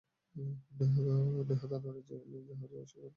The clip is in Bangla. নেহাত আনাড়ি জেলে জাহাজও সেবার তিমির চর্বিতে বোঝাই হয়ে ঘাঁটিতে ফিরেছে।